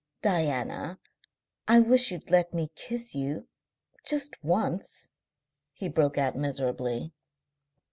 "Diana, I wish you'd let me kiss you, just once," he broke out miserably.